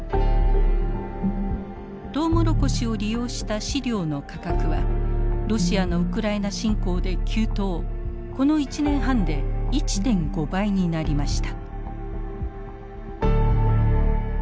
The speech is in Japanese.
トウモロコシを利用した飼料の価格はロシアのウクライナ侵攻で急騰この１年半で１．５倍になりました。